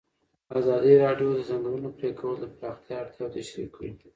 ازادي راډیو د د ځنګلونو پرېکول د پراختیا اړتیاوې تشریح کړي.